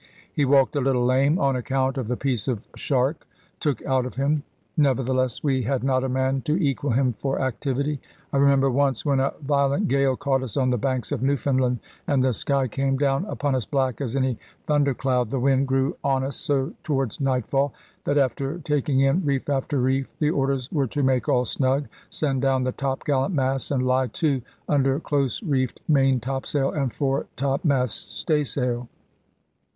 He walked a little lame, on account of the piece the shark took out of him; nevertheless we had not a man to equal him for activity. I remember once when a violent gale caught us on the banks of Newfoundland, and the sky came down upon us black as any thunder cloud. The wind grew on us so towards nightfall, that after taking in reef after reef, the orders were to make all snug, send down the topgallant masts, and lie to under close reefed main topsail and fore topmast staysail.